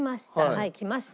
はい来ました。